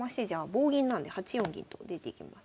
棒銀なんで８四銀と出ていきます。